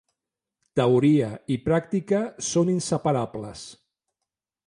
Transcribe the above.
Teoria i pràctica són inseparables.